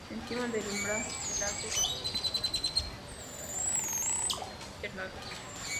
Encima del umbral del láser, se produce una pista de onda prácticamente infinitamente largo.